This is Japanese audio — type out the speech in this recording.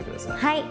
はい。